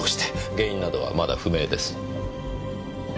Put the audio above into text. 原因などはまだ不明です。